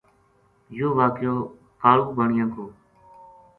یوہ واقعو کالو بانیا کو